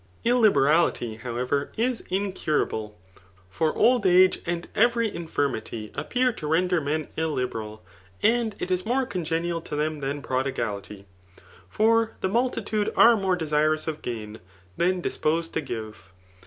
» lUiberality, however, is incurable; for old age, and every infirmity, appear to render men illiberal, and it is more cdngenial to them than prodigality. For the mul tiinde are more de^rous of gain, than disposed to give..